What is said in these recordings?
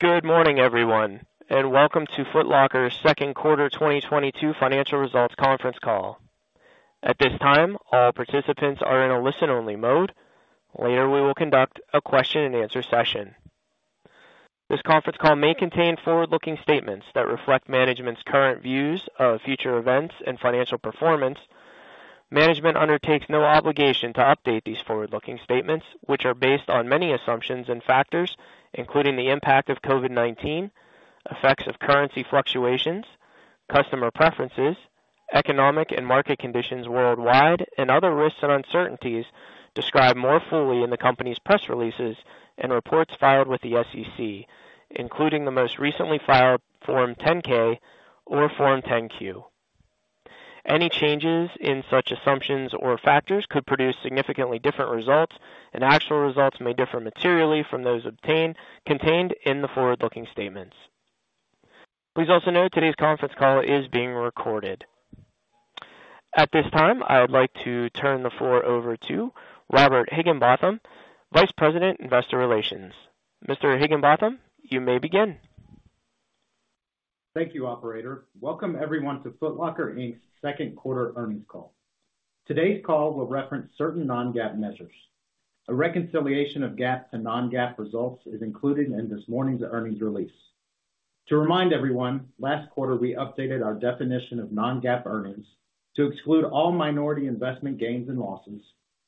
Good morning, everyone, and welcome to Foot Locker's Q2 2022 Financial Results Conference Call. At this time, all participants are in a listen-only mode. Later, we will conduct a question-and-answer session. This conference call may contain forward-looking statements that reflect management's current views of future events and financial performance. Management undertakes no obligation to update these forward-looking statements, which are based on many assumptions and factors, including the impact of COVID-19, effects of currency fluctuations, customer preferences, economic and market conditions worldwide, and other risks and uncertainties described more fully in the company's press releases and reports filed with the SEC, including the most recently filed Form 10-K or Form 10-Q. Any changes in such assumptions or factors could produce significantly different results, and actual results may differ materially from those contained in the forward-looking statements. Please also note today's conference call is being recorded. At this time, I would like to turn the floor over to Robert Higginbotham, Vice President, Investor Relations. Mr. Higginbotham, you may begin. Thank you, operator. Welcome, everyone, to Foot Locker, Inc.'s Q2 earnings call. Today's call will reference certain non-GAAP measures. A reconciliation of GAAP to non-GAAP results is included in this morning's earnings release. To remind everyone, last quarter we updated our definition of non-GAAP earnings to exclude all minority investment gains and losses,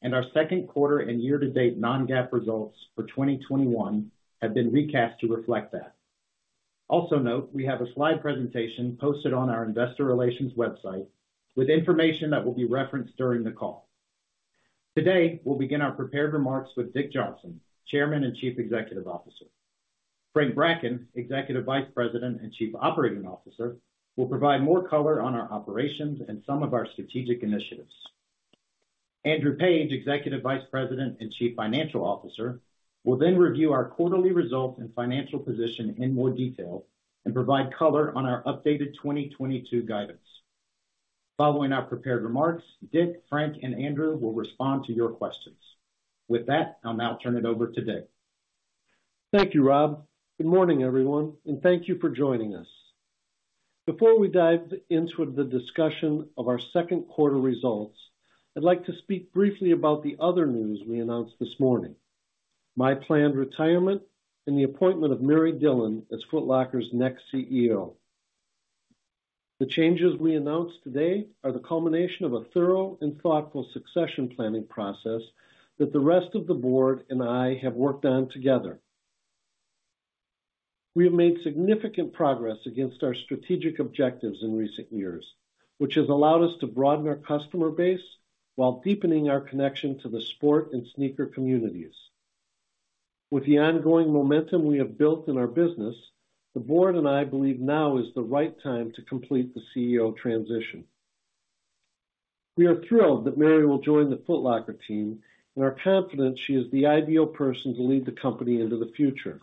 and our Q2 and year-to-date non-GAAP results for 2021 have been recast to reflect that. Also note we have a slide presentation posted on our Investor Relations website with information that will be referenced during the call. Today, we'll begin our prepared remarks with Dick Johnson, Chairman and Chief Executive Officer. Frank Bracken, Executive Vice President and Chief Operating Officer, will provide more color on our operations and some of our strategic initiatives. Andrew Page, Executive Vice President and Chief Financial Officer, will then review our quarterly results and financial position in more detail and provide color on our updated 2022 guidance. Following our prepared remarks, Dick, Frank, and Andrew will respond to your questions. With that, I'll now turn it over to Dick. Thank you, Rob. Good morning, everyone, and thank you for joining us. Before we dive into the discussion of our Q2 results, I'd like to speak briefly about the other news we announced this morning, my planned retirement and the appointment of Mary Dillon as Foot Locker's next CEO. The changes we announced today are the culmination of a thorough and thoughtful succession planning process that the rest of the board and I have worked on together. We have made significant progress against our strategic objectives in recent years, which has allowed us to broaden our customer base while deepening our connection to the Sport and Sneaker communities. With the ongoing momentum we have built in our business, the board and I believe now is the right time to complete the CEO transition. We are thrilled that Mary will join the Foot Locker team and are confident she is the ideal person to lead the company into the future.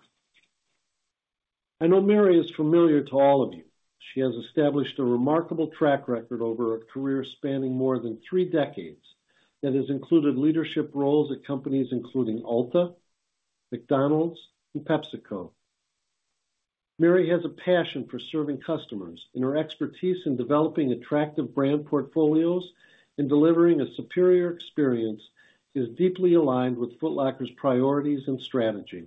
I know Mary is familiar to all of you. She has established a remarkable track record over a career spanning more than three decades that has included leadership roles at companies including Ulta, McDonald's, and PepsiCo. Mary has a passion for serving customers, and her expertise in developing attractive brand portfolios and delivering a superior experience is deeply aligned with Foot Locker's priorities and strategy.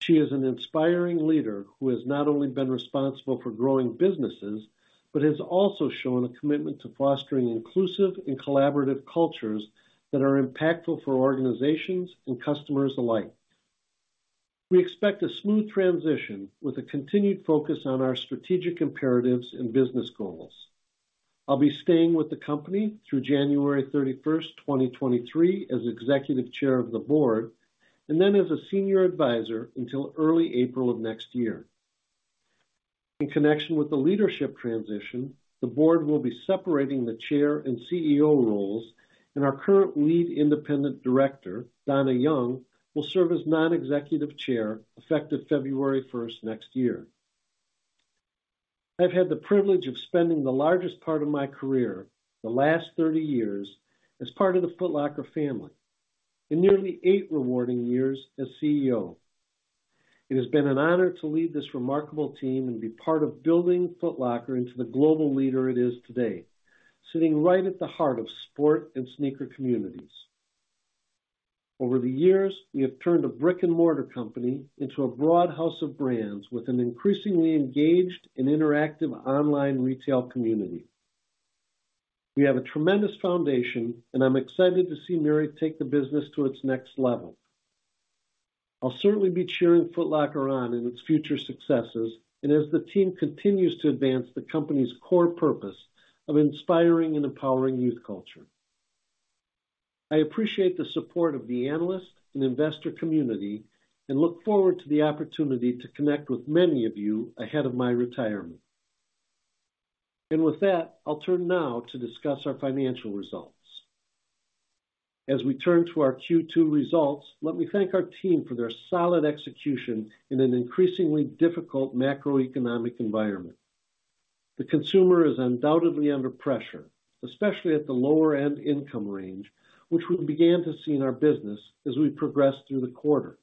She is an inspiring leader who has not only been responsible for growing businesses but has also shown a commitment to fostering inclusive and collaborative cultures that are impactful for organizations and customers alike. We expect a smooth transition with a continued focus on our strategic imperatives and business goals. I'll be staying with the company through January 31st, 2023 as Executive Chair of the Board and then as a Senior Advisor until early April of next year. In connection with the leadership transition, the board will be separating the chair and CEO roles, and our current Lead Independent Director, Dona D. Young, will serve as Non-Executive Chair effective February 1st next year. I've had the privilege of spending the largest part of my career, the last 30 years, as part of the Foot Locker family and nearly eight rewarding years as CEO. It has been an honor to lead this remarkable team and be part of building Foot Locker into the global leader it is today, sitting right at the heart of sport and sneaker communities. Over the years, we have turned a brick-and-mortar company into a broad house of brands with an increasingly engaged and interactive online retail community. We have a tremendous foundation, and I'm excited to see Mary take the business to its next level. I'll certainly be cheering Foot Locker on in its future successes and as the team continues to advance the company's core purpose of inspiring and empowering youth culture. I appreciate the support of the analyst and investor community and look forward to the opportunity to connect with many of you ahead of my retirement. With that, I'll turn now to discuss our financial results. As we turn to our Q2 results, let me thank our team for their solid execution in an increasingly difficult macroeconomic environment. The consumer is undoubtedly under pressure, especially at the lower-end income range, which we began to see in our business as we progressed through the quarter.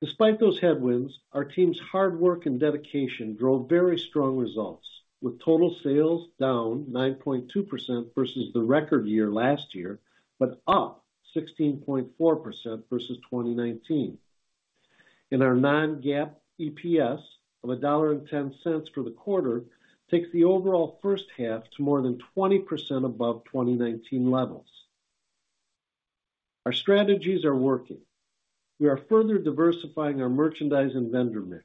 Despite those headwinds, our team's hard work and dedication drove very strong results with total sales down 9.2% versus the record year last year, but up 16.4% versus 2019. Our non-GAAP EPS of $1.10 for the quarter takes the overall H1 to more than 20% above 2019 levels. Our strategies are working. We are further diversifying our merchandise and vendor mix.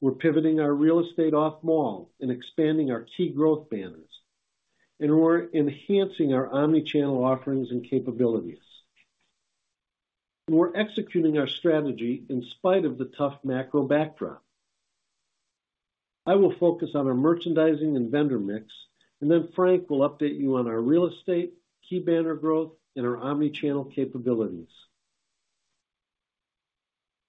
We're pivoting our real estate off-mall and expanding our key growth banners. We're enhancing our omni-channel offerings and capabilities. We're executing our strategy in spite of the tough macro backdrop. I will focus on our merchandising and vendor mix, and then Frank will update you on our real estate, key banner growth, and our omni-channel capabilities.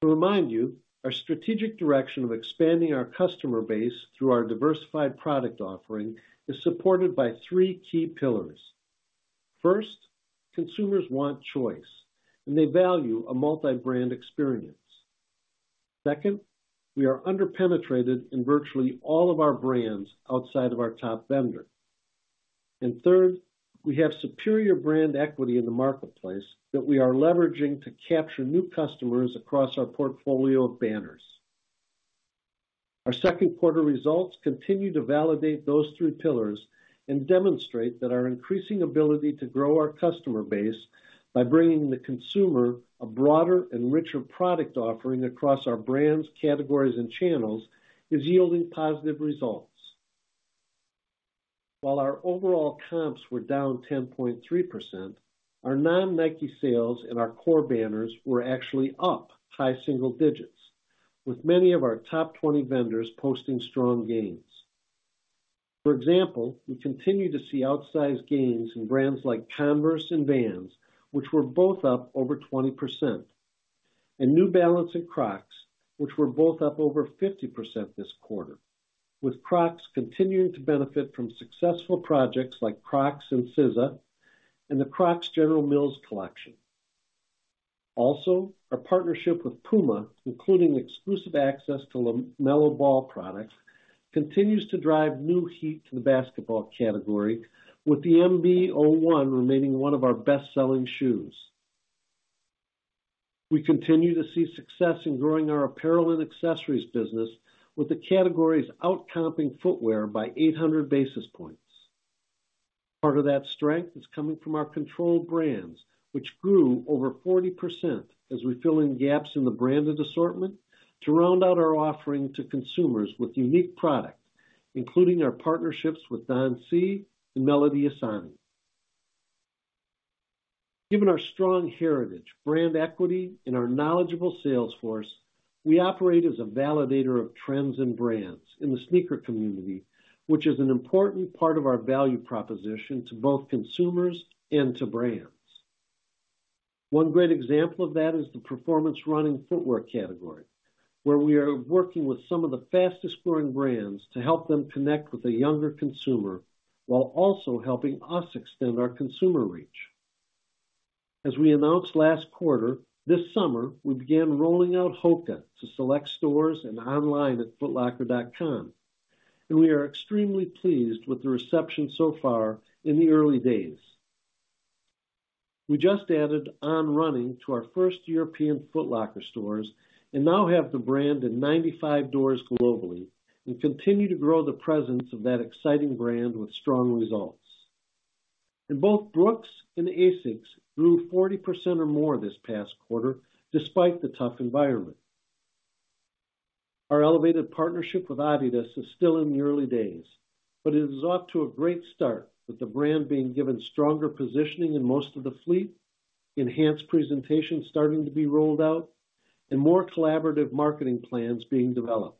To remind you, our strategic direction of expanding our customer base through our diversified product offering is supported by three key pillars. First, consumers want choice, and they value a multi-brand experience. Second, we are under-penetrated in virtually all of our brands outside of our top vendor. Third, we have superior brand equity in the marketplace that we are leveraging to capture new customers across our portfolio of banners. Our Q2 results continue to validate those three pillars and demonstrate that our increasing ability to grow our customer base by bringing the consumer a broader and richer product offering across our brands, categories, and channels is yielding positive results. While our overall comps were down 10.3%, our non-Nike sales in our core banners were actually up high single digits, with many of our top 20 vendors posting strong gains. For example, we continue to see outsized gains in brands like Converse and Vans, which were both up over 20%. New Balance and Crocs, which were both up over 50% this quarter, with Crocs continuing to benefit from successful projects like Crocs and Pizzaslime and the Crocs General Mills collection. Also, our partnership with Puma, including exclusive access to LaMelo Ball products, continues to drive new heat to the basketball category, with the MB.01 remaining one of our best-selling shoes. We continue to see success in growing our apparel and accessories business with the categories out-comping footwear by 800 basis points. Part of that strength is coming from our controlled brands, which grew over 40% as we fill in gaps in the branded assortment to round out our offering to consumers with unique product, including our partnerships with Don C and Melody Ehsani. Given our strong heritage, brand equity, and our knowledgeable sales force, we operate as a validator of trends and brands in the sneaker community, which is an important part of our value proposition to both consumers and to brands. One great example of that is the performance running footwear category, where we are working with some of the fastest-growing brands to help them connect with a younger consumer while also helping us extend our consumer reach. As we announced last quarter, this summer, we began rolling out Hoka to select stores and online at footlocker.com. We are extremely pleased with the reception so far in the early days. We just added On Running to our first European Foot Locker stores and now have the brand in 95 doors globally and continue to grow the presence of that exciting brand with strong results. Both Brooks and ASICS grew 40% or more this past quarter despite the tough environment. Our elevated partnership with Adidas is still in the early days, but it is off to a great start with the brand being given stronger positioning in most of the fleet, enhanced presentation starting to be rolled out, and more collaborative marketing plans being developed.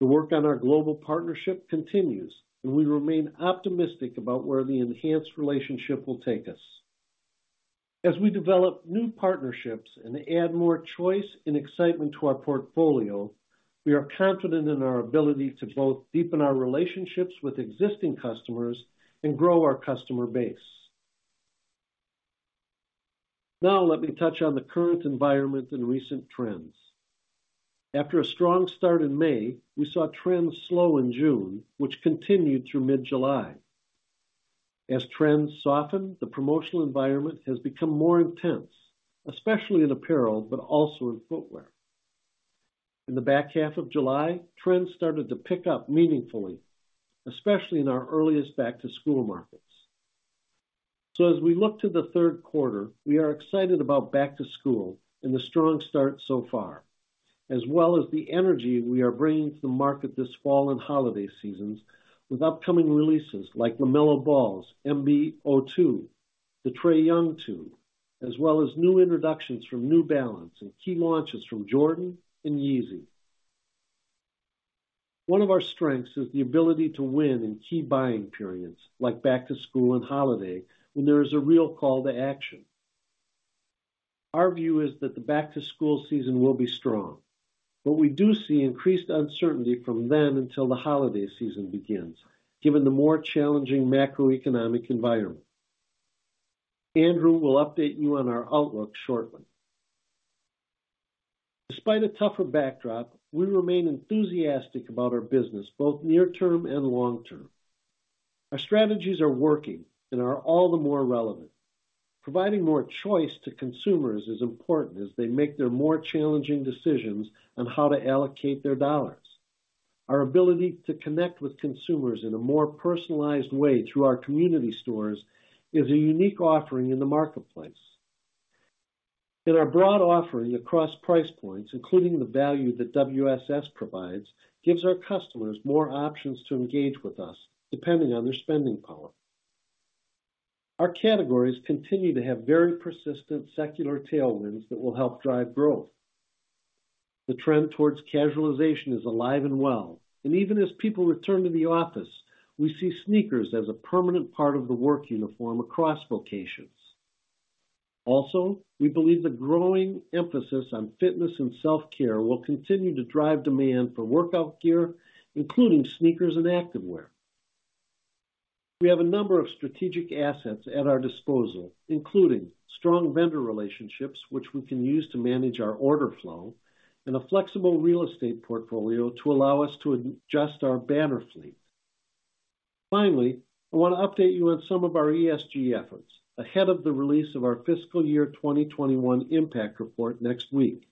The work on our global partnership continues, and we remain optimistic about where the enhanced relationship will take us. As we develop new partnerships and add more choice and excitement to our portfolio, we are confident in our ability to both deepen our relationships with existing customers and grow our customer base. Now let me touch on the current environment and recent trends. After a strong start in May, we saw trends slow in June, which continued through mid-July. As trends soften, the promotional environment has become more intense, especially in apparel, but also in footwear. In the back half of July, trends started to pick up meaningfully, especially in our earliest back-to-school markets. As we look to the Q3, we are excited about back-to-school and the strong start so far, as well as the energy we are bringing to the market this fall and holiday seasons with upcoming releases like LaMelo Ball's MB.02, the Trae Young 2, as well as new introductions from New Balance and key launches from Jordan and Yeezy. One of our strengths is the ability to win in key buying periods like back-to-school and holiday when there is a real call to action. Our view is that the back-to-school season will be strong. We do see increased uncertainty from then until the holiday season begins, given the more challenging macroeconomic environment. Andrew will update you on our outlook shortly. Despite a tougher backdrop, we remain enthusiastic about our business, both near term and long term. Our strategies are working and are all the more relevant. Providing more choice to consumers is important as they make their more challenging decisions on how to allocate their dollars. Our ability to connect with consumers in a more personalized way through our community stores is a unique offering in the marketplace. Our broad offering across price points, including the value that WSS provides, gives our customers more options to engage with us depending on their spending power. Our categories continue to have very persistent secular tailwinds that will help drive growth. The trend towards casualization is alive and well, and even as people return to the office, we see sneakers as a permanent part of the work uniform across vocations. Also, we believe the growing emphasis on fitness and self-care will continue to drive demand for workout gear, including sneakers and activewear. We have a number of strategic assets at our disposal, including strong vendor relationships, which we can use to manage our order flow, and a flexible real estate portfolio to allow us to adjust our banner fleet. Finally, I wanna update you on some of our ESG efforts ahead of the release of our fiscal year 2021 impact report next week.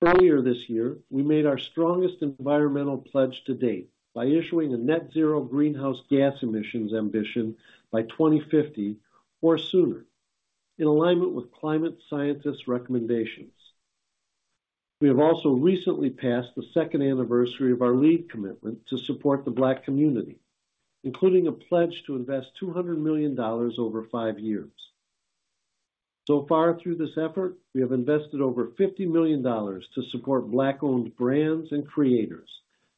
Earlier this year, we made our strongest environmental pledge to date by issuing a net zero greenhouse gas emissions ambition by 2050 or sooner, in alignment with climate scientists' recommendations. We have also recently passed the second anniversary of our lead commitment to support the Black community, including a pledge to invest $200 million over five years. So far through this effort, we have invested over $50 million to support Black-owned brands and creators,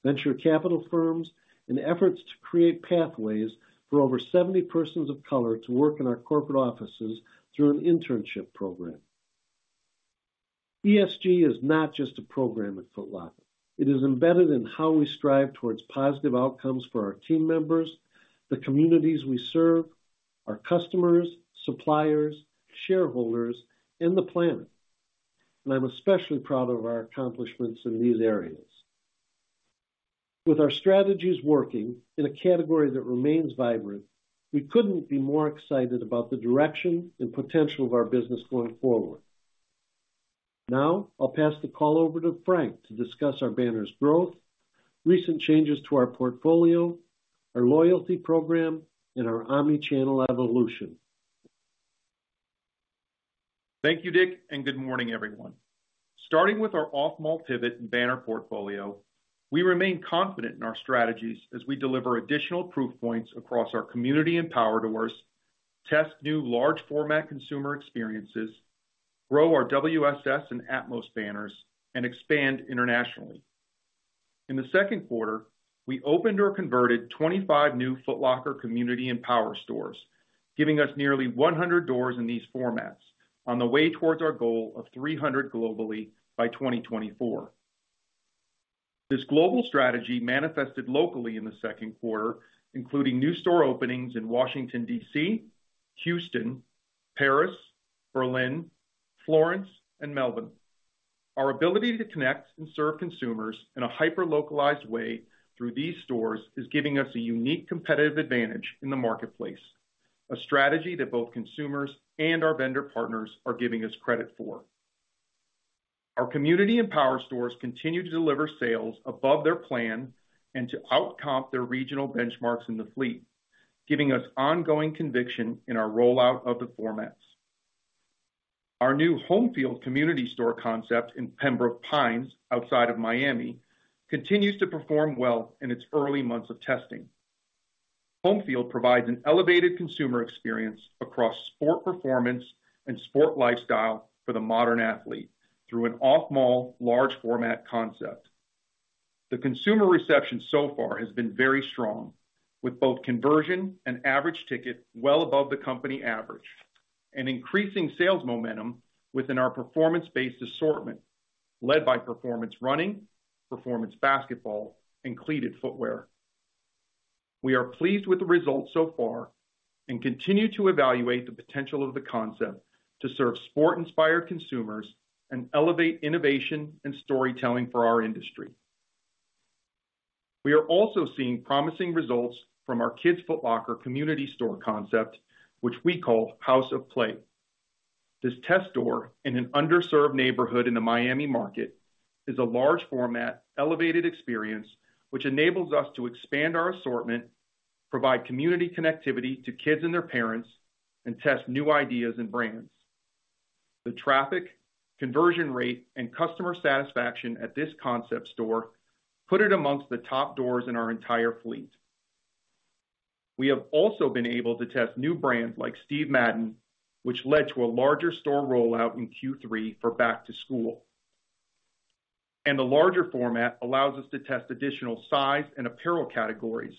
venture capital firms, and efforts to create pathways for over 70 persons of color to work in our corporate offices through an internship program. ESG is not just a program at Foot Locker. It is embedded in how we strive towards positive outcomes for our team members, the communities we serve, our customers, suppliers, shareholders, and the planet. I'm especially proud of our accomplishments in these areas. With our strategies working in a category that remains vibrant, we couldn't be more excited about the direction and potential of our business going forward. Now, I'll pass the call over to Frank to discuss our banners growth, recent changes to our portfolio, our loyalty program, and our omni-channel evolution. Thank you, Dick, and good morning, everyone. Starting with our off-mall pivot and banner portfolio, we remain confident in our strategies as we deliver additional proof points across our community and power doors, test new large format consumer experiences, grow our WSS and Atmos banners, and expand internationally. In the Q2, we opened or converted 25 new Foot Locker community and power stores, giving us nearly 100 doors in these formats on the way towards our goal of 300 globally by 2024. This global strategy manifested locally in the Q2, including new store openings in Washington, D.C., Houston, Paris, Berlin, Florence, and Melbourne. Our ability to connect and serve consumers in a hyper-localized way through these stores is giving us a unique competitive advantage in the marketplace, a strategy that both consumers and our vendor partners are giving us credit for. Our community and power stores continue to deliver sales above their plan and to outperform their regional benchmarks in the fleet, giving us ongoing conviction in our rollout of the formats. Our new HomeField community store concept in Pembroke Pines outside of Miami continues to perform well in its early months of testing. HomeField provides an elevated consumer experience across sport performance and sport lifestyle for the modern athlete through an off-mall large format concept. The consumer reception so far has been very strong, with both conversion and average ticket well above the company average and increasing sales momentum within our performance-based assortment, led by performance running, performance basketball, and cleated footwear. We are pleased with the results so far and continue to evaluate the potential of the concept to serve sport-inspired consumers and elevate innovation and storytelling for our industry. We are also seeing promising results from our Kids Foot Locker community store concept, which we call House of Play. This test store in an underserved neighborhood in the Miami market is a large format elevated experience, which enables us to expand our assortment, provide community connectivity to kids and their parents, and test new ideas and brands. The traffic, conversion rate, and customer satisfaction at this concept store put it amongst the top doors in our entire fleet. We have also been able to test new brands like Steve Madden, which led to a larger store rollout in Q3 for back to school. The larger format allows us to test additional size and apparel categories,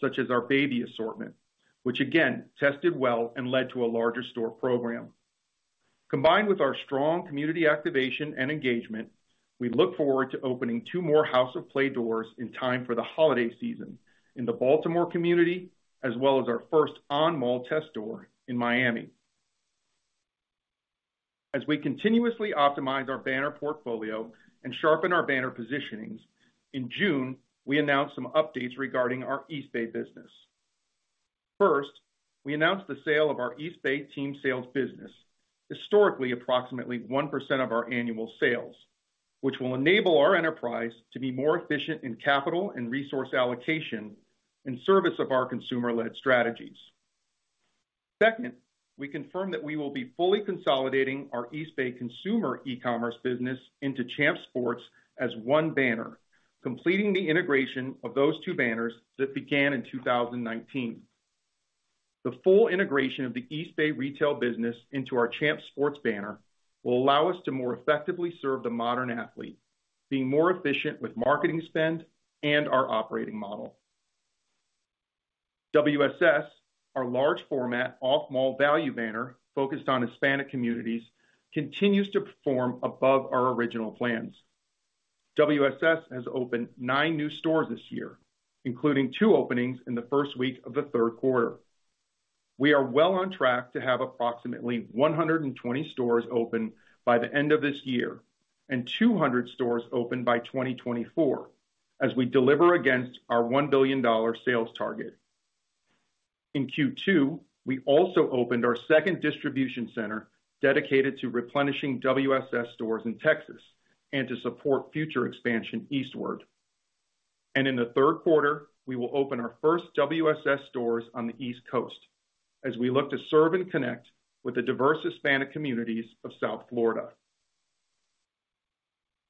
such as our baby assortment, which again, tested well and led to a larger store program. Combined with our strong community activation and engagement, we look forward to opening two more House of Play doors in time for the holiday season in the Baltimore community, as well as our first on-mall test door in Miami. As we continuously optimize our banner portfolio and sharpen our banner positionings, in June, we announced some updates regarding our Eastbay business. First, we announced the sale of our Eastbay team sales business, historically approximately 1% of our annual sales, which will enable our enterprise to be more efficient in capital and resource allocation in service of our consumer-led strategies. Second, we confirm that we will be fully consolidating our Eastbay consumer e-commerce business into Champs Sports as one banner, completing the integration of those two banners that began in 2019. The full integration of the Eastbay retail business into our Champs Sports banner will allow us to more effectively serve the modern athlete, being more efficient with marketing spend and our operating model. WSS, our large format off-mall value banner focused on Hispanic communities, continues to perform above our original plans. WSS has opened nine new stores this year, including two openings in the first week of the Q3. We are well on track to have approximately 120 stores open by the end of this year and 200 stores open by 2024 as we deliver against our $1 billion sales target. In Q2, we also opened our second distribution center dedicated to replenishing WSS stores in Texas and to support future expansion eastward. In the Q3, we will open our first WSS stores on the East Coast as we look to serve and connect with the diverse Hispanic communities of South Florida.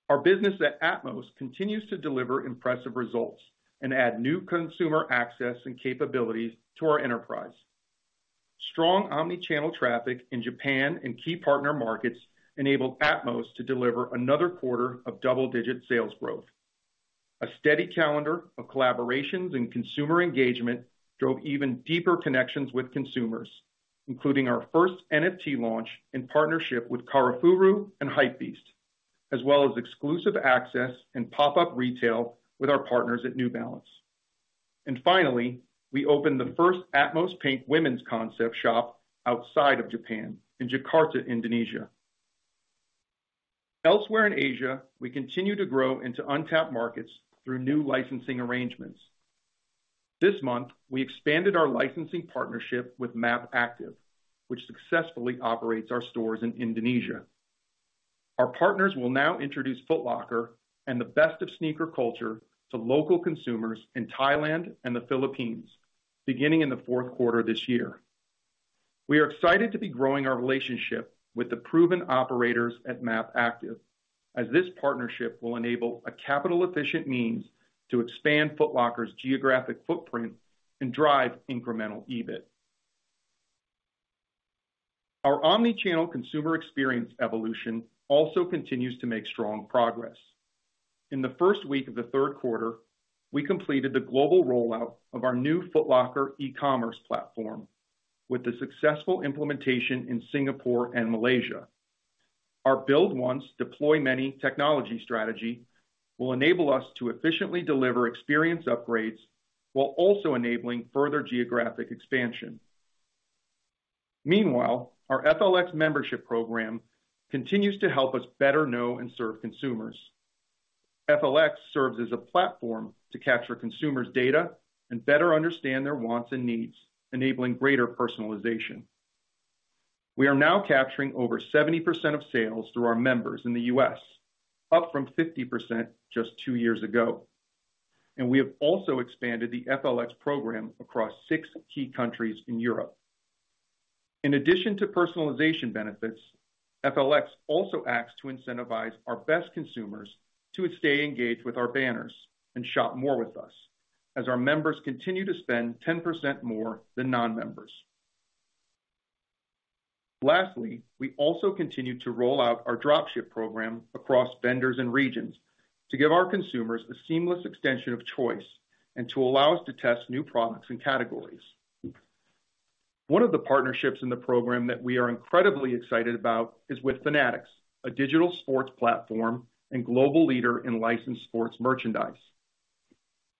Our business at Atmos continues to deliver impressive results and add new consumer access and capabilities to our enterprise. Strong omni-channel traffic in Japan and key partner markets enabled Atmos to deliver another quarter of double-digit sales growth. A steady calendar of collaborations and consumer engagement drove even deeper connections with consumers, including our first NFT launch in partnership with Karafuru and Hypebeast, as well as exclusive access and pop-up retail with our partners at New Balance. Finally, we opened the first Atmos Pink women's concept shop outside of Japan in Jakarta, Indonesia. Elsewhere in Asia, we continue to grow into untapped markets through new licensing arrangements. This month, we expanded our licensing partnership with MAP Active, which successfully operates our stores in Indonesia. Our partners will now introduce Foot Locker and the best of sneaker culture to local consumers in Thailand and the Philippines beginning in the Q4 this year. We are excited to be growing our relationship with the proven operators at MAP Active, as this partnership will enable a capital-efficient means to expand Foot Locker's geographic footprint and drive incremental EBIT. Our omni-channel consumer experience evolution also continues to make strong progress. In the first week of the Q3, we completed the global rollout of our new Foot Locker e-commerce platform with the successful implementation in Singapore and Malaysia. Our build once, deploy many technology strategy will enable us to efficiently deliver experience upgrades while also enabling further geographic expansion. Meanwhile, our FLX membership program continues to help us better know and serve consumers. FLX serves as a platform to capture consumers' data and better understand their wants and needs, enabling greater personalization. We are now capturing over 70% of sales through our members in the U.S., up from 50% just two years ago. We have also expanded the FLX program across six key countries in Europe. In addition to personalization benefits, FLX also acts to incentivize our best consumers to stay engaged with our banners and shop more with us as our members continue to spend 10% more than non-members. Lastly, we also continue to roll out our drop ship program across vendors and regions to give our consumers the seamless extension of choice and to allow us to test new products and categories. One of the partnerships in the program that we are incredibly excited about is with Fanatics, a digital sports platform and global leader in licensed sports merchandise.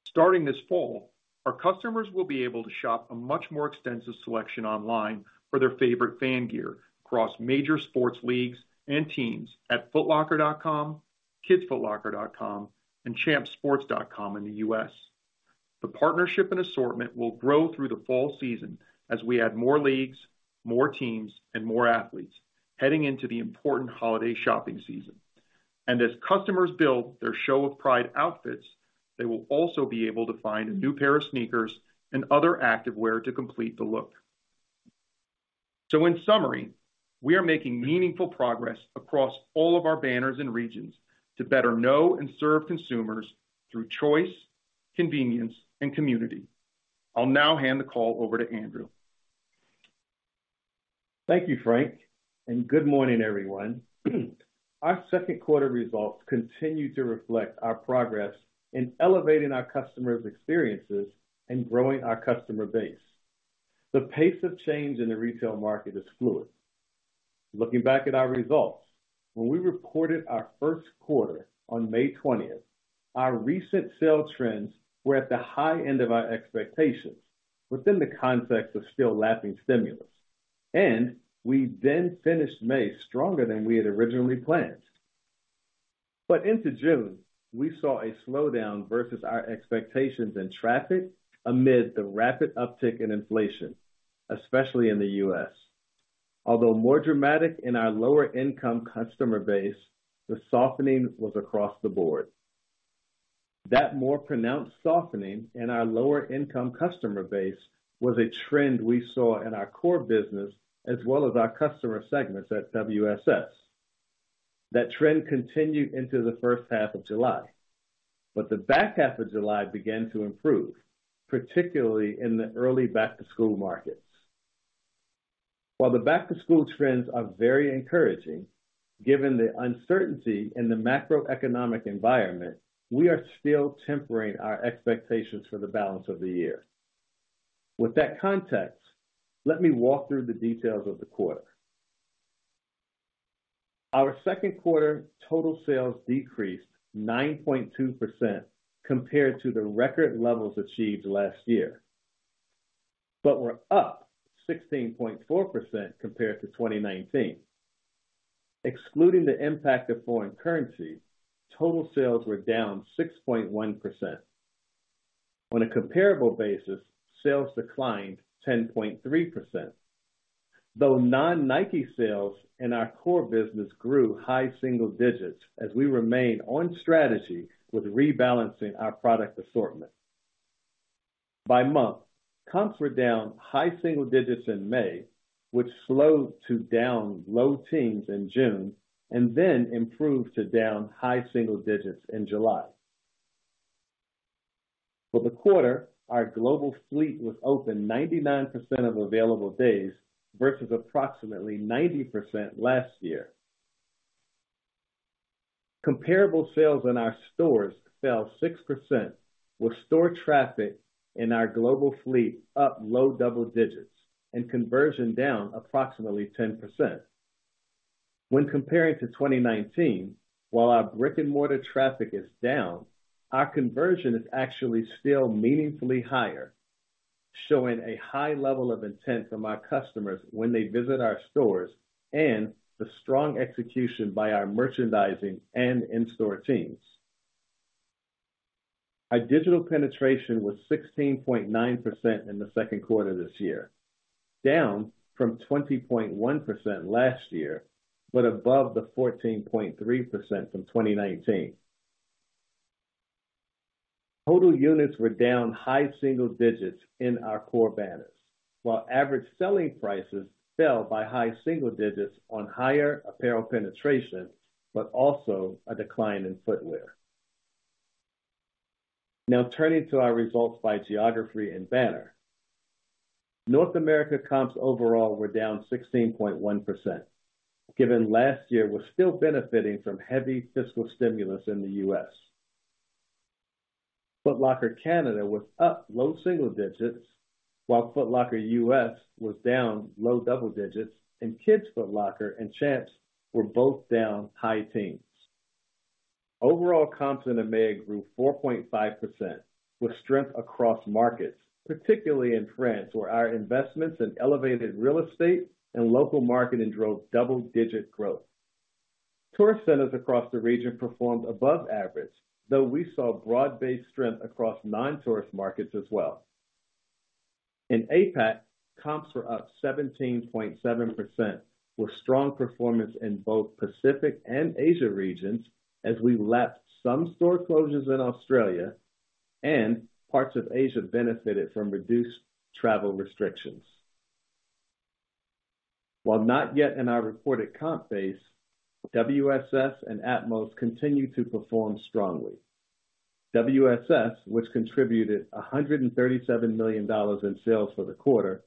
Starting this fall, our customers will be able to shop a much more extensive selection online for their favorite fan gear across major sports leagues and teams at footlocker.com, kidsfootlocker.com, and champssports.com in the U.S. The partnership and assortment will grow through the fall season as we add more leagues, more teams, and more athletes heading into the important holiday shopping season. As customers build their show of pride outfits, they will also be able to find a new pair of sneakers and other activewear to complete the look. In summary, we are making meaningful progress across all of our banners and regions to better know and serve consumers through choice, convenience, and community. I'll now hand the call over to Andrew. Thank you, Frank, and good morning, everyone. Our Q2 results continue to reflect our progress in elevating our customers' experiences and growing our customer base. The pace of change in the retail market is fluid. Looking back at our results, when we reported our Q1 on May 12th, our recent sales trends were at the high end of our expectations within the context of still lapping stimulus. We then finished May stronger than we had originally planned. Into June, we saw a slowdown versus our expectations in traffic amid the rapid uptick in inflation, especially in the U.S. Although more dramatic in our lower income customer base, the softening was across the board. That more pronounced softening in our lower income customer base was a trend we saw in our core business as well as our customer segments at WSS. That trend continued into the H1 of July, but the back half of July began to improve, particularly in the early back-to-school markets. While the back-to-school trends are very encouraging, given the uncertainty in the macroeconomic environment, we are still tempering our expectations for the balance of the year. With that context, let me walk through the details of the quarter. Our Q2 total sales decreased 9.2% compared to the record levels achieved last year, but were up 16.4% compared to 2019. Excluding the impact of foreign currency, total sales were down 6.1%. On a comparable basis, sales declined 10.3%. Though non-Nike sales in our core business grew high single digits as we remain on strategy with rebalancing our product assortment. By month, comps were down high single digits in May, which slowed to down low teens in June and then improved to down high single digits in July. For the quarter, our global fleet was open 99% of available days versus approximately 90% last year. Comparable sales in our stores fell 6%, with store traffic in our global fleet up low double-digits and conversion down approximately 10%. When comparing to 2019, while our brick-and-mortar traffic is down, our conversion is actually still meaningfully higher, showing a high level of intent from our customers when they visit our stores and the strong execution by our merchandising and in-store teams. Our digital penetration was 16.9% in the Q2 this year, down from 20.1% last year, but above the 14.3% from 2019. Total units were down high single digits in our core banners, while average selling prices fell by high single digits on higher apparel penetration, but also a decline in footwear. Now turning to our results by geography and banner. North America comps overall were down 16.1%, given last year was still benefiting from heavy fiscal stimulus in the U.S. Foot Locker Canada was up low single digits, while Foot Locker U.S. was down low double-digits, and Kids Foot Locker and Champs were both down high teens. Overall comps in EMEA grew 4.5% with strength across markets, particularly in France, where our investments in elevated real estate and local marketing drove double-digit growth. Tourist centers across the region performed above average, though we saw broad-based strength across non-tourist markets as well. In APAC, comps were up 17.7% with strong performance in both Pacific and Asia regions as we lapped some store closures in Australia and parts of Asia benefited from reduced travel restrictions. While not yet in our reported comp base, WSS and Atmos continue to perform strongly. WSS, which contributed $137 million in sales for the quarter,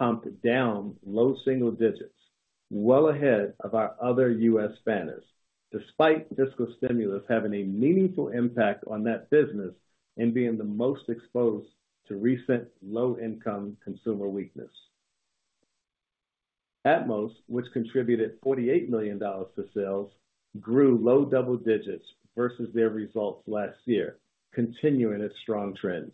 comped down low single digits, well ahead of our other U.S. banners, despite fiscal stimulus having a meaningful impact on that business and being the most exposed to recent low-income consumer weakness. Atmos, which contributed $48 million to sales, grew low double digits versus their results last year, continuing its strong trends.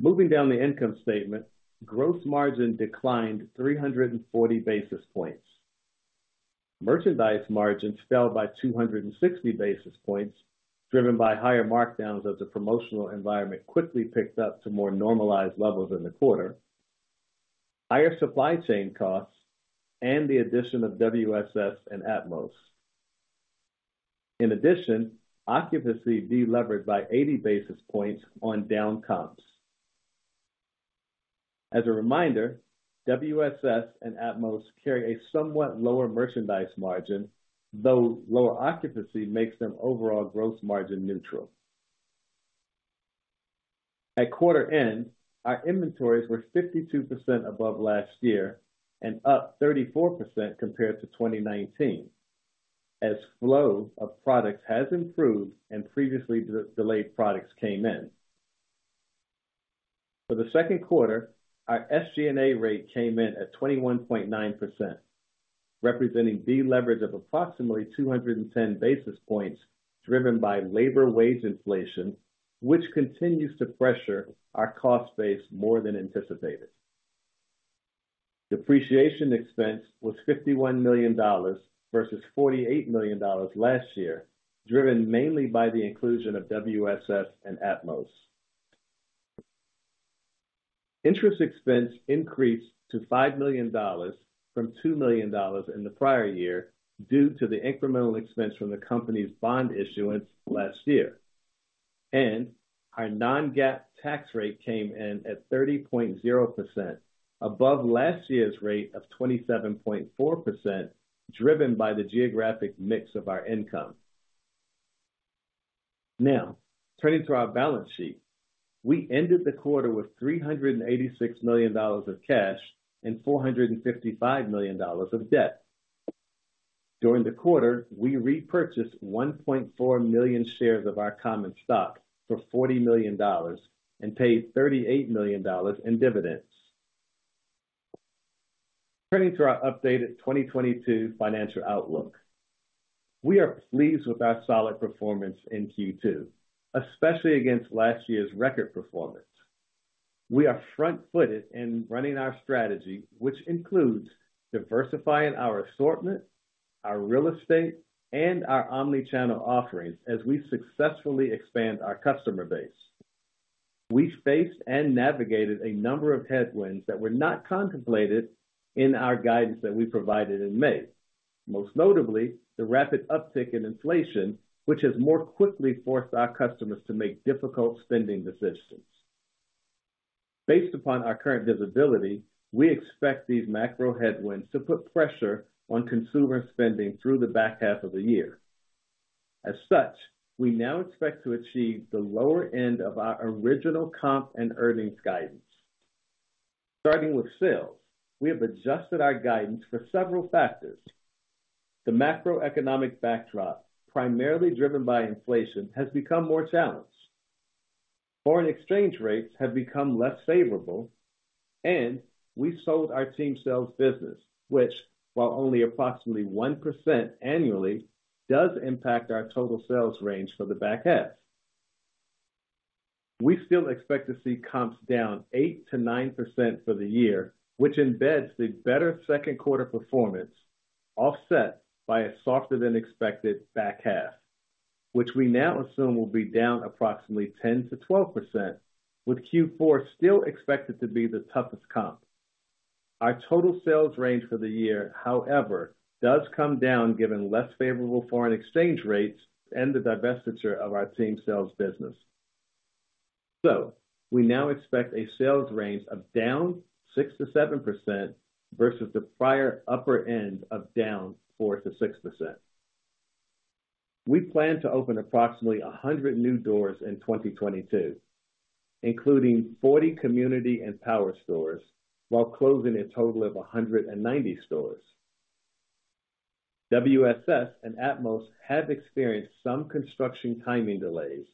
Moving down the income statement, gross margin declined 340 basis points. Merchandise margins fell by 260 basis points, driven by higher markdowns as the promotional environment quickly picked up to more normalized levels in the quarter, higher supply chain costs, and the addition of WSS and Atmos. In addition, occupancy deleveraged by 80 basis points on down comps. As a reminder, WSS and Atmos carry a somewhat lower merchandise margin, though lower occupancy makes them overall gross margin neutral. At quarter end, our inventories were 52% above last year and up 34% compared to 2019 as flow of products has improved and previously delayed products came in. For the Q2, our SG&A rate came in at 21.9%, representing deleverage of approximately 210 basis points, driven by labor wage inflation, which continues to pressure our cost base more than anticipated. Depreciation expense was $51 million versus $48 million last year, driven mainly by the inclusion of WSS and Atmos. Interest expense increased to $5 million from $2 million in the prior year due to the incremental expense from the company's bond issuance last year. Our non-GAAP tax rate came in at 30.0%, above last year's rate of 27.4%, driven by the geographic mix of our income. Now, turning to our balance sheet. We ended the quarter with $386 million of cash and $455 million of debt. During the quarter, we repurchased 1.4 million shares of our common stock for $40 million and paid $38 million in dividends. Turning to our updated 2022 financial outlook. We are pleased with our solid performance in Q2, especially against last year's record performance. We are front-footed in running our strategy, which includes diversifying our assortment, our real estate, and our omni-channel offerings as we successfully expand our customer base. We faced and navigated a number of headwinds that were not contemplated in our guidance that we provided in May. Most notably, the rapid uptick in inflation, which has more quickly forced our customers to make difficult spending decisions. Based upon our current visibility, we expect these macro headwinds to put pressure on consumer spending through the back half of the year. As such, we now expect to achieve the lower end of our original comp and earnings guidance. Starting with sales, we have adjusted our guidance for several factors. The macroeconomic backdrop, primarily driven by inflation, has become more challenged. Foreign exchange rates have become less favorable, and we sold our Team Sales business, which, while only approximately 1% annually, does impact our total sales range for the back half. We still expect to see comps down 8%-9% for the year, which embeds the better Q2 performance, offset by a softer than expected back half, which we now assume will be down approximately 10%-12%, with Q4 still expected to be the toughest comp. Our total sales range for the year, however, does come down given less favorable foreign exchange rates and the divestiture of our Team Sales business. We now expect a sales range of down 6%-7% versus the prior upper end of down 4%-6%. We plan to open approximately 100 new doors in 2022, including 40 community and power stores, while closing a total of 190 stores. WSS and Atmos have experienced some construction timing delays,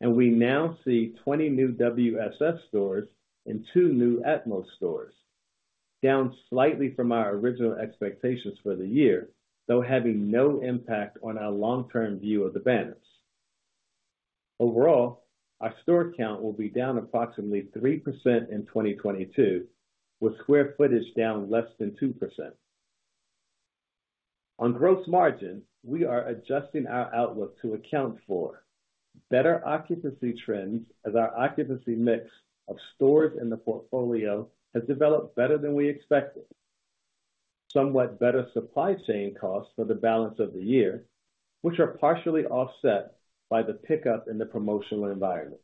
and we now see 20 new WSS stores and two new Atmos stores, down slightly from our original expectations for the year, though having no impact on our long-term view of the banners. Overall, our store count will be down approximately 3% in 2022, with square footage down less than 2%. On gross margin, we are adjusting our outlook to account for better occupancy trends as our occupancy mix of stores in the portfolio has developed better than we expected. Somewhat better supply chain costs for the balance of the year, which are partially offset by the pickup in the promotional environment.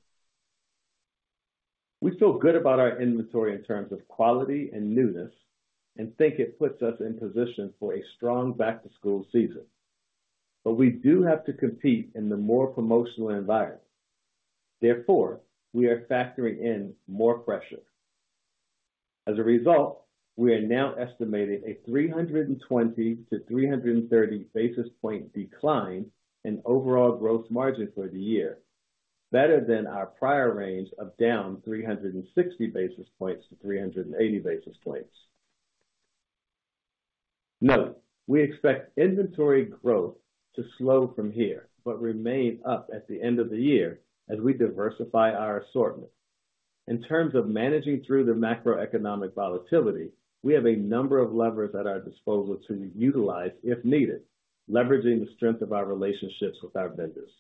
We feel good about our inventory in terms of quality and newness and think it puts us in position for a strong back-to-school season. We do have to compete in the more promotional environment. Therefore, we are factoring in more pressure. As a result, we are now estimating a 320-330 basis point decline in overall gross margin for the year, better than our prior range of down 360-380 basis points. Note, we expect inventory growth to slow from here, but remain up at the end of the year as we diversify our assortment. In terms of managing through the macroeconomic volatility, we have a number of levers at our disposal to utilize if needed, leveraging the strength of our relationships with our vendors.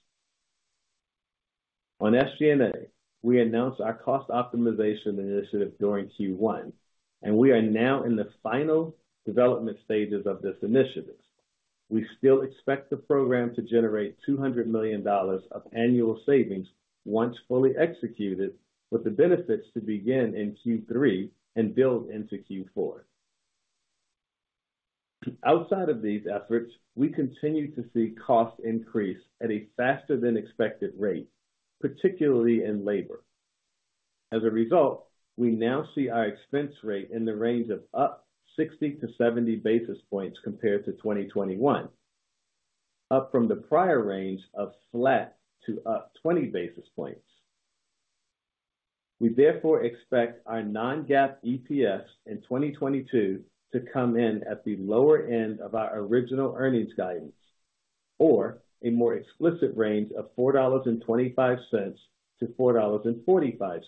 On SG&A, we announced our cost optimization initiative during Q1, and we are now in the final development stages of this initiative. We still expect the program to generate $200 million of annual savings once fully executed, with the benefits to begin in Q3 and build into Q4. Outside of these efforts, we continue to see costs increase at a faster than expected rate, particularly in labor. As a result, we now see our expense rate in the range of up 60-70 basis points compared to 2021, up from the prior range of flat to up 20 basis points. We therefore expect our non-GAAP EPS in 2022 to come in at the lower end of our original earnings guidance or a more explicit range of $4.25-$4.45,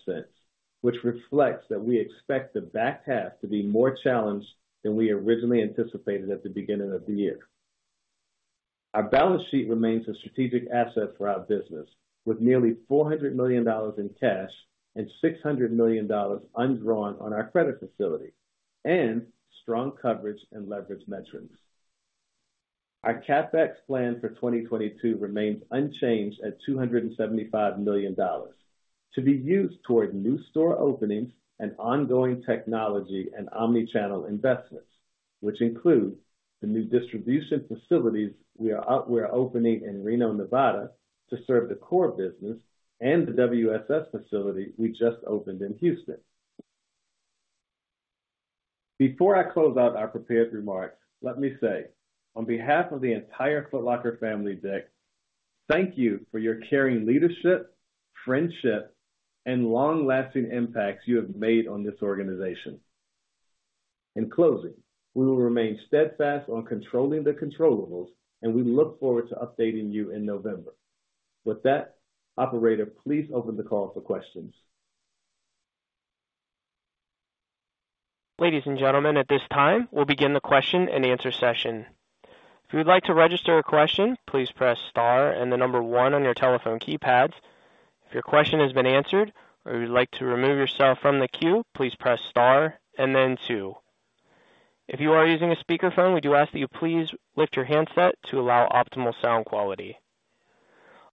which reflects that we expect the back half to be more challenged than we originally anticipated at the beginning of the year. Our balance sheet remains a strategic asset for our business, with nearly $400 million in cash and $600 million undrawn on our credit facility and strong coverage and leverage metrics. Our CapEx plan for 2022 remains unchanged at $275 million to be used toward new store openings and ongoing technology and omni-channel investments, which include the new distribution facilities we're opening in Reno, Nevada, to serve the core business and the WSS facility we just opened in Houston. Before I close out our prepared remarks, let me say, on behalf of the entire Foot Locker family, Dick, thank you for your caring leadership, friendship, and long-lasting impacts you have made on this organization. In closing, we will remain steadfast on controlling the controllables, and we look forward to updating you in November. With that, operator, please open the call for questions. Ladies and gentlemen, at this time, we'll begin the question and answer session. If you'd like to register a question, please press star and the number one on your telephone keypad. If your question has been answered or you would like to remove yourself from the queue, please press star and then two. If you are using a speakerphone, we do ask that you please lift your handset to allow optimal sound quality.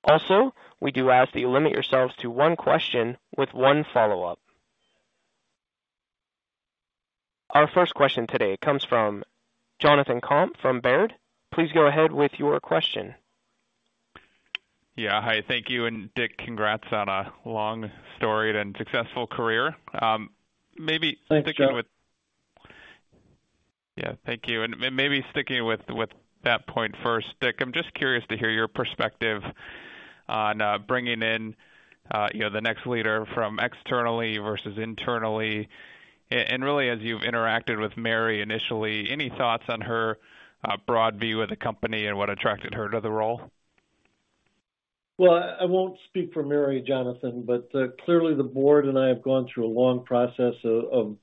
Also, we do ask that you limit yourselves to one question with one follow-up. Our first question today comes from Jonathan Komp from Baird. Please go ahead with your question. Yeah. Hi, thank you. Dick, congrats on a long, storied, and successful career. Thanks, John. Yeah, thank you. Maybe sticking with that point first, Dick, I'm just curious to hear your perspective on bringing in you know the next leader from externally versus internally. Really as you've interacted with Mary initially, any thoughts on her broad view of the company and what attracted her to the role? Well, I won't speak for Mary, Jonathan, but clearly the board and I have gone through a long process of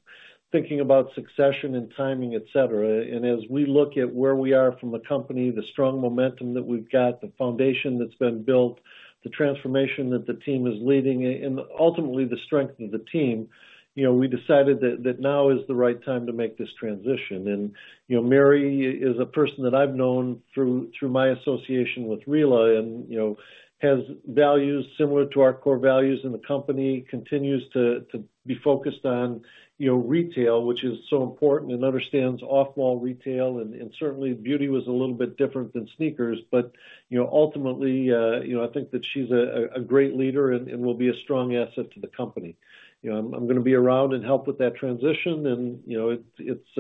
thinking about succession and timing, et cetera. As we look at where we are from a company, the strong momentum that we've got, the foundation that's been built, the transformation that the team is leading, and ultimately the strength of the team, you know, we decided that now is the right time to make this transition. You know, Mary is a person that I've known through my association with RILA and, you know, has values similar to our core values in the company, continues to be focused on, you know, retail, which is so important, and understands off-wall retail. Certainly beauty was a little bit different than sneakers, but you know, ultimately you know, I think that she's a great leader and will be a strong asset to the company. You know, I'm gonna be around and help with that transition and, you know, it's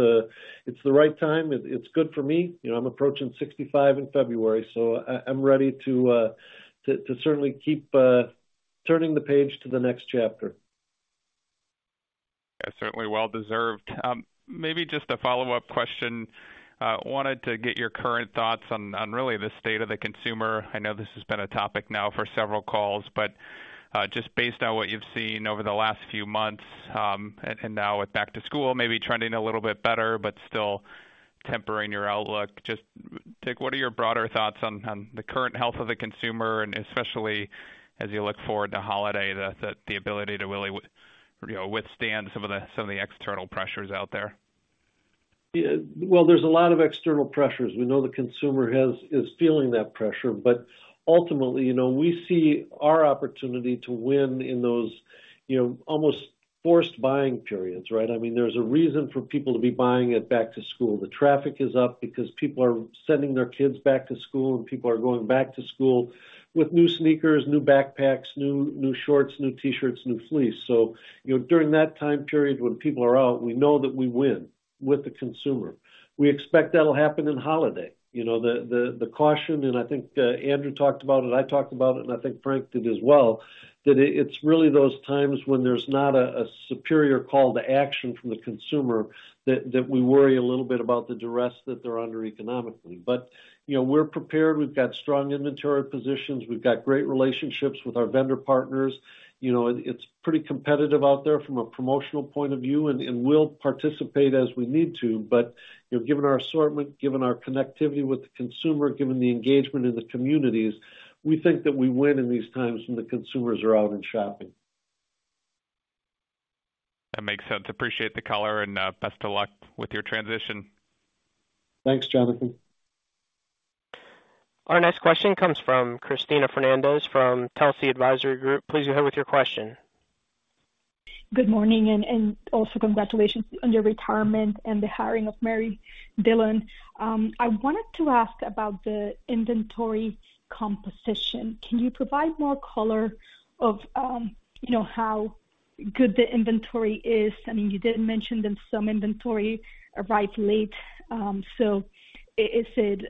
the right time. It's good for me. You know, I'm approaching 65 in February, so I'm ready to certainly keep turning the page to the next chapter. Yeah, certainly well-deserved. Maybe just a follow-up question. Wanted to get your current thoughts on really the state of the consumer. I know this has been a topic now for several calls, but just based on what you've seen over the last few months, and now with back to school, maybe trending a little bit better, but still tempering your outlook. Just, Dick, what are your broader thoughts on the current health of the consumer and especially as you look forward to holiday, the ability to really, you know, withstand some of the external pressures out there? Yeah. Well, there's a lot of external pressures. We know the consumer is feeling that pressure. Ultimately, you know, we see our opportunity to win in those, you know, almost forced buying periods, right? I mean, there's a reason for people to be buying at back to school. The traffic is up because people are sending their kids back to school, and people are going back to school with new sneakers, new backpacks, new shorts, new T-shirts, new fleece. You know, during that time period when people are out, we know that we win with the consumer. We expect that'll happen in holiday. You know, the caution, and I think, Andrew talked about it, I talked about it, and I think Frank did as well, that it's really those times when there's not a superior call to action from the consumer that we worry a little bit about the duress that they're under economically. You know, we're prepared. We've got strong inventory positions. We've got great relationships with our vendor partners. You know, it's pretty competitive out there from a promotional point of view, and we'll participate as we need to. You know, given our assortment, given our connectivity with the consumer, given the engagement in the communities, we think that we win in these times when the consumers are out and shopping. That makes sense. Appreciate the color and best of luck with your transition. Thanks, Jonathan. Our next question comes from Cristina Fernandez from Telsey Advisory Group. Please go ahead with your question. Good morning, and also congratulations on your retirement and the hiring of Mary Dillon. I wanted to ask about the inventory composition. Can you provide more color on, you know, how good the inventory is? I mean, you did mention that some inventory arrived late, so is it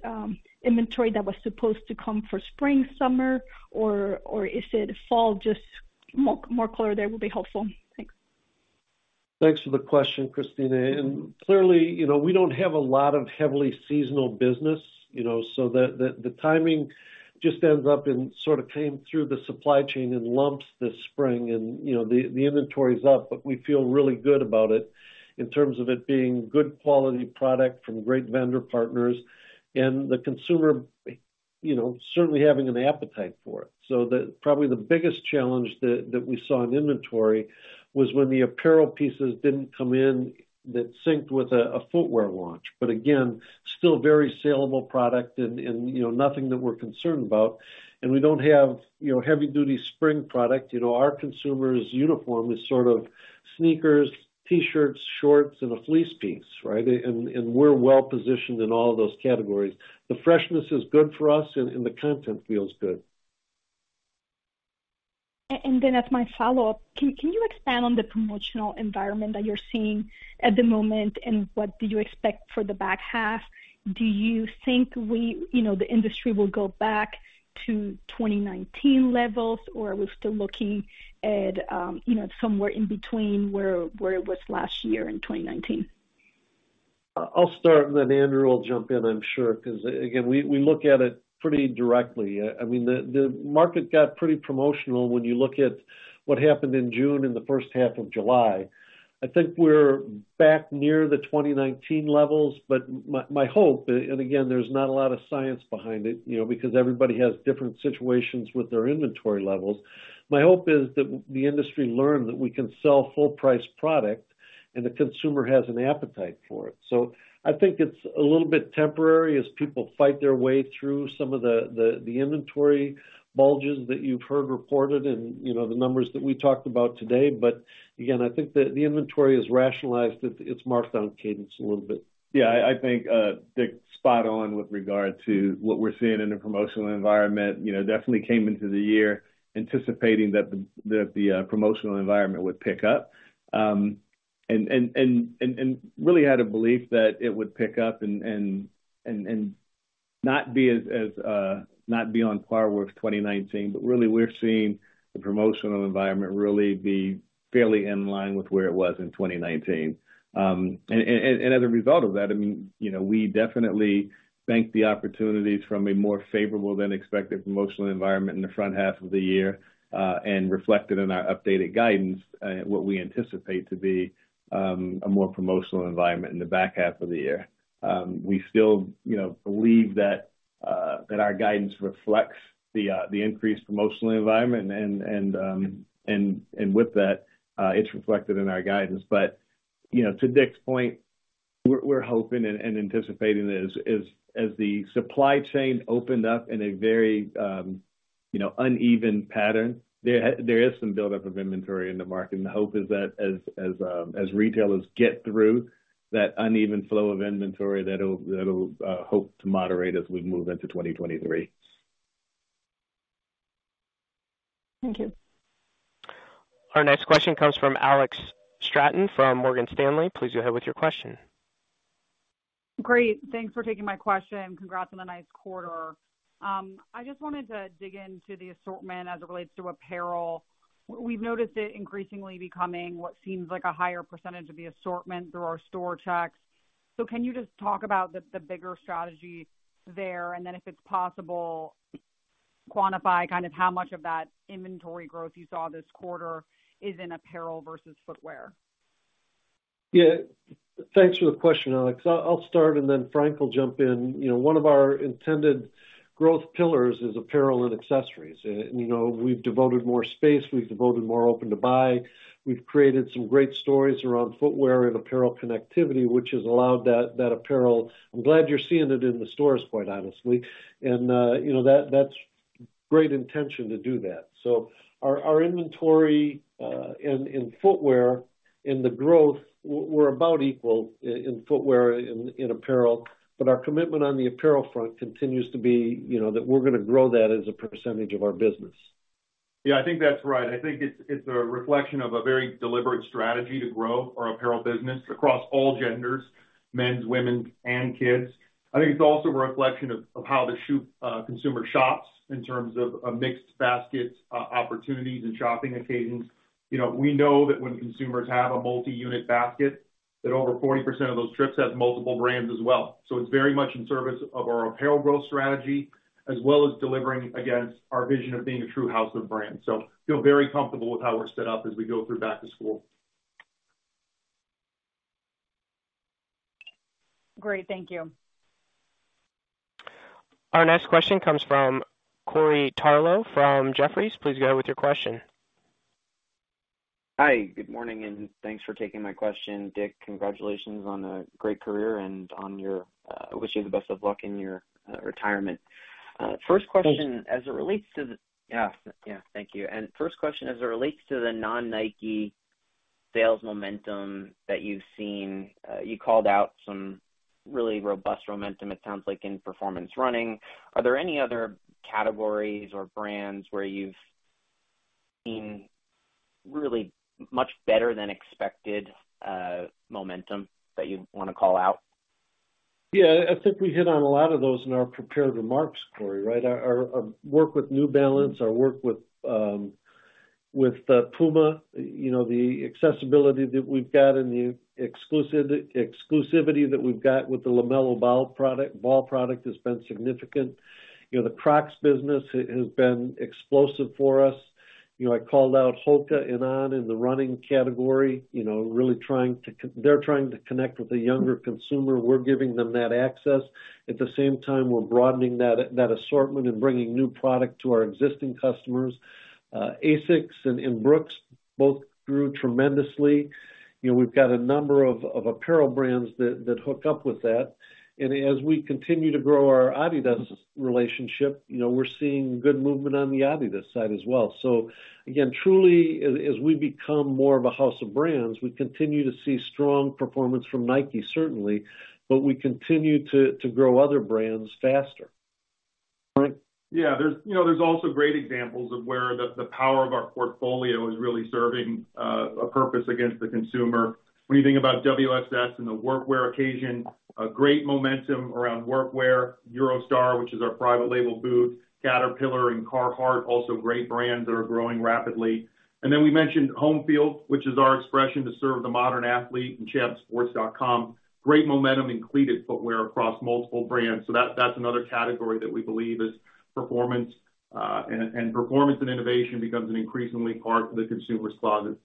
inventory that was supposed to come for spring/summer or is it fall? Just more color there will be helpful. Thanks. Thanks for the question, Cristina. Clearly, you know, we don't have a lot of heavily seasonal business, you know. The timing just ends up sort of coming through the supply chain in lumps this spring and, you know, the inventory's up, but we feel really good about it in terms of it being good quality product from great vendor partners and the consumer, you know, certainly having an appetite for it. Probably the biggest challenge that we saw in inventory was when the apparel pieces didn't come in that synced with a footwear launch. Again, still very salable product and, you know, nothing that we're concerned about. We don't have, you know, heavy duty spring product. You know, our consumer's uniform is sort of sneakers, T-shirts, shorts, and a fleece piece, right? We're well positioned in all of those categories. The freshness is good for us and the content feels good. As my follow-up, can you expand on the promotional environment that you're seeing at the moment, and what do you expect for the back half? Do you think, you know, the industry will go back to 2019 levels, or are we still looking at, you know, somewhere in between where it was last year and 2019? I'll start, and then Andrew will jump in, I'm sure, 'cause again, we look at it pretty directly. I mean, the market got pretty promotional when you look at what happened in June and the H1 of July. I think we're back near the 2019 levels, but my hope, and again, there's not a lot of science behind it, you know, because everybody has different situations with their inventory levels. My hope is that the industry learn that we can sell full price product and the consumer has an appetite for it. I think it's a little bit temporary as people fight their way through some of the inventory bulges that you've heard reported and, you know, the numbers that we talked about today. But again, I think the inventory has rationalized its markdown cadence a little bit. Yeah. I think Dick's spot on with regard to what we're seeing in the promotional environment. You know, we definitely came into the year anticipating that the promotional environment would pick up. And really had a belief that it would pick up and not be on par with 2019. Really we're seeing the promotional environment really be fairly in line with where it was in 2019. As a result of that, I mean, you know, we definitely banked the opportunities from a more favorable than expected promotional environment in the front half of the year and reflected in our updated guidance what we anticipate to be a more promotional environment in the back half of the year. We still, you know, believe that our guidance reflects the increased promotional environment and with that, it's reflected in our guidance. You know, to Dick's point, we're hoping and anticipating as the supply chain opened up in a very, you know, uneven pattern, there is some buildup of inventory in the market. The hope is that as retailers get through that uneven flow of inventory, that'll hope to moderate as we move into 2023. Thank you. Our next question comes from Alex Straton from Morgan Stanley. Please go ahead with your question. Great. Thanks for taking my question. Congrats on the nice quarter. I just wanted to dig into the assortment as it relates to apparel. We've noticed it increasingly becoming what seems like a higher percentage of the assortment through our store checks. Can you just talk about the bigger strategy there? If it's possible, quantify kind of how much of that inventory growth you saw this quarter is in apparel versus footwear. Yeah. Thanks for the question, Alex. I'll start, and then Frank will jump in. You know, one of our intended growth pillars is apparel and accessories. You know, we've devoted more space, we've devoted more open to buy. We've created some great stories around footwear and apparel connectivity, which has allowed that apparel. I'm glad you're seeing it in the stores, quite honestly. You know, that's great attention to do that. Our inventory in footwear and the growth were about equal in footwear, in apparel. But our commitment on the apparel front continues to be, you know, that we're gonna grow that as a percentage of our business. Yeah, I think that's right. I think it's a reflection of a very deliberate strategy to grow our apparel business across all genders, men's, women's, and kids. I think it's also a reflection of how the shoe consumer shops in terms of mixed baskets opportunities and shopping occasions. You know, we know that when consumers have a multi-unit basket, that over 40% of those trips has multiple brands as well. It's very much in service of our apparel growth strategy, as well as delivering against our vision of being a true house of brands. Feel very comfortable with how we're set up as we go through back to school. Great. Thank you. Our next question comes from Corey Tarlowe from Jefferies. Please go with your question. Hi, good morning, and thanks for taking my question. Dick, congratulations on a great career. I wish you the best of luck in your retirement. First question as it relates to the Thanks. Yeah. Yeah. Thank you. First question, as it relates to the non-Nike sales momentum that you've seen, you called out some really robust momentum, it sounds like, in performance running. Are there any other categories or brands where you've seen really much better than expected, momentum that you wanna call out? Yeah. I think we hit on a lot of those in our prepared remarks, Corey. Right? Our work with New Balance, our work with Puma, you know, the accessibility that we've got and the exclusivity that we've got with the LaMelo Ball product has been significant. You know, the Crocs business has been explosive for us. You know, I called out Hoka and On in the running category, you know, really trying to connect. They're trying to connect with the younger consumer. We're giving them that access. At the same time, we're broadening that assortment and bringing new product to our existing customers. ASICS and Brooks both grew tremendously. You know, we've got a number of apparel brands that hook up with that. as we continue to grow our Adidas relationship, you know, we're seeing good movement on the Adidas side as well. Again, truly, as we become more of a house of brands, we continue to see strong performance from Nike, certainly, but we continue to grow other brands faster. Frank? Yeah. There's, you know, there's also great examples of where the power of our portfolio is really serving a purpose against the consumer. When you think about WSS and the workwear occasion, a great momentum around workwear. Eurostar, which is our private label boot. Caterpillar and Carhartt, also great brands that are growing rapidly. Then we mentioned HomeField, which is our expression to serve the modern athlete in champsSports.com. Great momentum in cleated footwear across multiple brands. That's another category that we believe is performance. Performance and innovation becomes an increasingly part of the consumer's closet.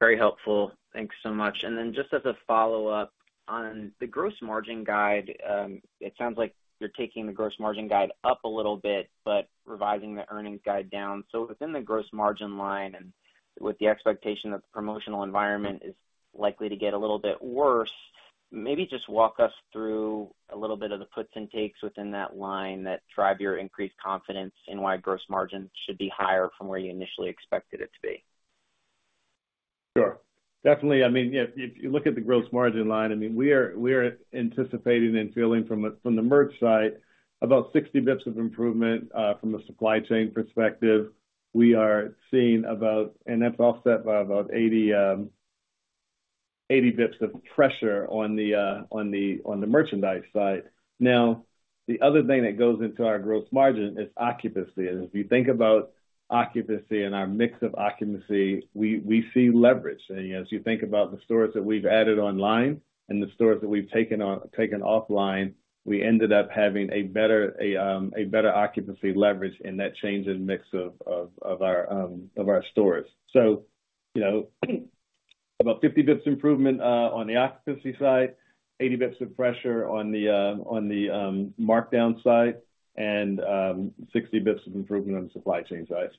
Very helpful. Thanks so much. Just as a follow-up, on the gross margin guide, it sounds like you're taking the gross margin guide up a little bit, but revising the earnings guide down. Within the gross margin line and with the expectation that the promotional environment is likely to get a little bit worse, maybe just walk us through a little bit of the puts and takes within that line that drive your increased confidence in why gross margin should be higher from where you initially expected it to be. Sure. Definitely, I mean, yeah, if you look at the gross margin line, I mean, we are anticipating and feeling from the merch side, about 60 [basis points] of improvement, from a supply chain perspective. We are seeing about, that's offset by about 80 [basis points] of pressure on the merchandise side. Now, the other thing that goes into our gross margin is occupancy. If you think about occupancy and our mix of occupancy, we see leverage. As you think about the stores that we've added online and the stores that we've taken offline, we ended up having a better occupancy leverage in that change in mix of our stores. You know, about 50 basis points improvement on the occupancy side, 80 basis points of pressure on the markdown side, and 60 basis points of improvement on the supply chain side.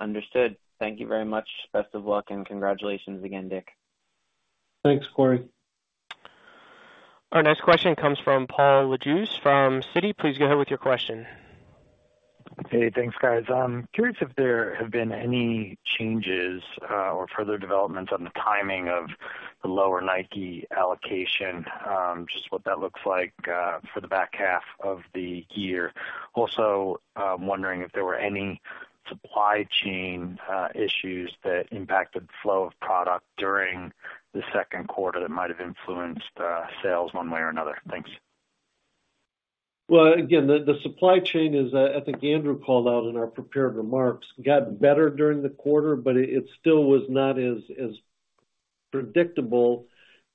Understood. Thank you very much. Best of luck, and congratulations again, Dick. Thanks, Corey. Our next question comes from Paul Lejuez from Citi. Please go ahead with your question. Hey. Thanks, guys. I'm curious if there have been any changes, or further developments on the timing of the lower Nike allocation, just what that looks like, for the back half of the year. Also, I'm wondering if there were any supply chain, issues that impacted the flow of product during the Q2 that might have influenced, sales one way or another. Thanks. Well, again, the supply chain is, I think Andrew called out in our prepared remarks, got better during the quarter, but it still was not as predictable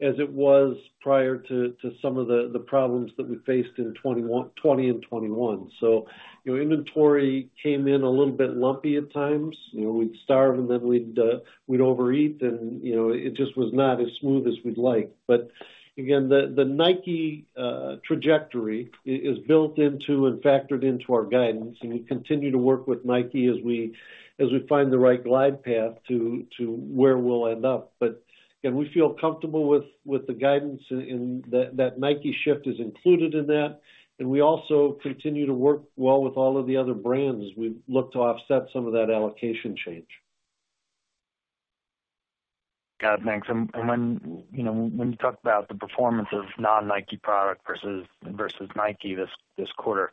as it was prior to some of the problems that we faced in 2020 and 2021. You know, inventory came in a little bit lumpy at times. You know, we'd starve and then we'd overeat and, you know, it just was not as smooth as we'd like. Again, the Nike trajectory is built into and factored into our guidance, and we continue to work with Nike as we find the right glide path to where we'll end up. Again, we feel comfortable with the guidance and that Nike shift is included in that, and we also continue to work well with all of the other brands as we look to offset some of that allocation change. Got it. Thanks. When, you know, when you talk about the performance of non-Nike product versus Nike this quarter,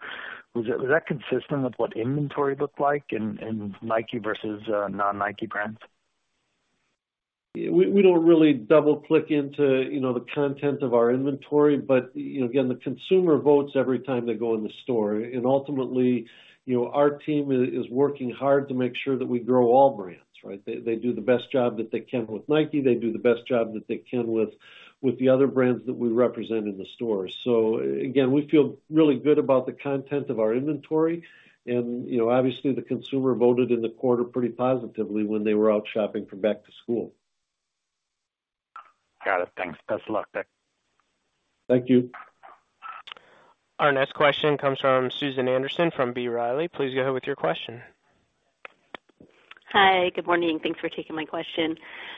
was that consistent with what inventory looked like in Nike versus non-Nike brands? We don't really double-click into, you know, the content of our inventory, but, you know, again, the consumer votes every time they go in the store. Ultimately, you know, our team is working hard to make sure that we grow all brands, right? They do the best job that they can with Nike. They do the best job that they can with the other brands that we represent in the store. Again, we feel really good about the content of our inventory. You know, obviously, the consumer voted in the quarter pretty positively when they were out shopping for back to school. Thanks. Best of luck, Dick. Thank you. Our next question comes from Susan Anderson from B. Riley. Please go ahead with your question. Hi, good morning. Thanks for taking my question.